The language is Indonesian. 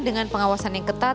dengan pengawasan yang ketat